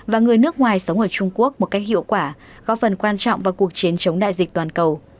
và người nước ngoài sống ở trung quốc một cách hiệu quả góp phần quan trọng vào cuộc chiến chống đại dịch toàn cầu